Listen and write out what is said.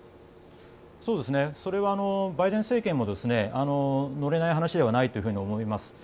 それはバイデン政権も乗れない話ではないと思います。